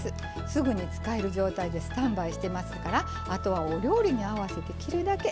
すぐに使える状態でスタンバイしてますからあとはお料理に合わせて切るだけ。